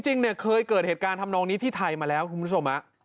จริงเนี่ยเคยเกิดเหตุการณ์ทำนองนี้ที่ไทยมาแล้วคุณผู้ชม